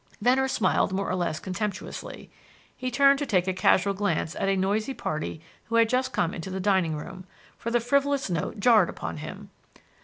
Venner smiled more or less contemptuously. He turned to take a casual glance at a noisy party who had just come into the dining room, for the frivolous note jarred upon him.